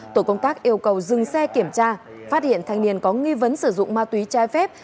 tổ công tác yêu cầu dừng xe kiểm tra phát hiện thanh niên có nghi vấn sử dụng ma túy trái phép